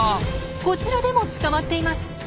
こちらでも捕まっています。